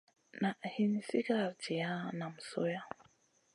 Na hin sigara jiya nam sohya.